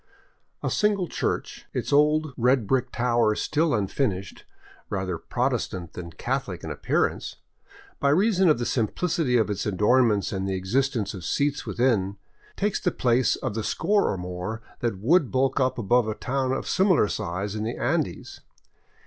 A single church, its old 607 VAGABONDING DOWN THE ANDES red brick tower still unfinished, rather Protestant than Catholic in ap pearance, by reason of the simplicity of its adornments and the exist ence of seats within, takes the place of the score or more that would bulk above a town of similar size in the Andes.